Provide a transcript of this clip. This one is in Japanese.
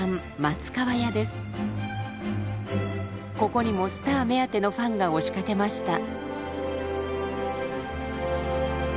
ここにもスター目当てのファンが押しかけました。